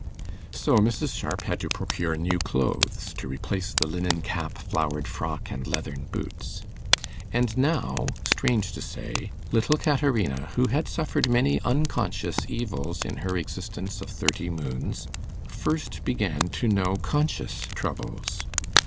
So Mrs. Sharp had to procure new clothes, to replace the linen cap, flowered frock, and leathern boots; and now, strange to say, little Caterina, who had suffered many unconscious evils in her existence of thirty moons, first began to know conscious troubles.